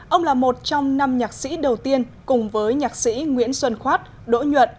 ông là một trong năm nhạc sĩ đầu tiên cùng với nhạc sĩ nguyễn xuân khoát đỗ nhuận